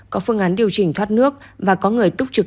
có phương án điều chỉnh thoát nước và có người túc trực